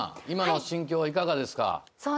今の心境はいかがですか？